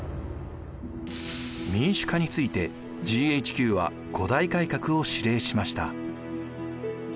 民主化についてＧＨＱは五大改革を指令しました。